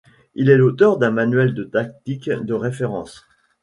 Il est l'auteur d'un manuel de tactique de référence.